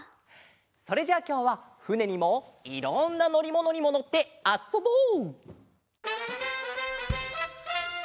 それじゃあきょうはふねにもいろんなのりものにものってあっそぼう！